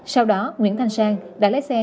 sau đó nguyễn thanh sang đã lấy xe